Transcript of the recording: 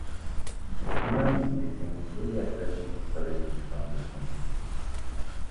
Anualmente, se incluye a tres compositores en el Salón de la Fama.